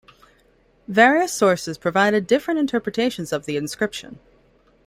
Various sources provided different interpretations of the inscription.